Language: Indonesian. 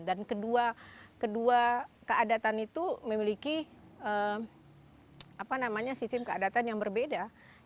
dan kedua keadatan itu memiliki sisim keadatan yang berbeda